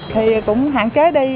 thì cũng hạn chế đi